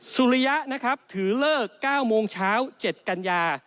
สุริยะนะครับถือเลิก๙โมงเช้า๗กันยา